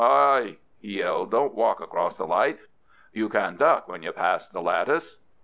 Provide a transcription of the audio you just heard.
hi!" he yelled, "don't walk across the light! You can duck when you pass the lattice."